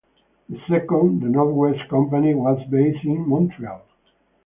The second, the North West Company, was based in Montreal.